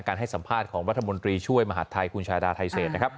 ให้สัมภาษณ์ของรัฐมนตรีช่วยมหาดไทยคุณชาดาไทเศษนะครับ